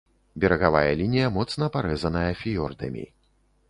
Берагавая лінія моцна парэзаная фіёрдамі.